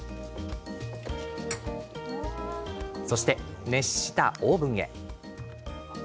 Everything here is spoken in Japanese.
そして、熱したオーブンへ。